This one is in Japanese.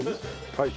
はい。